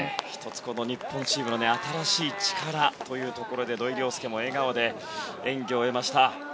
１つ、日本チームの新しい力というところで土井陵輔も笑顔で演技を終えました。